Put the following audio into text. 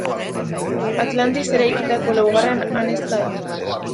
Atlantis eraikitako laugarren anezka da.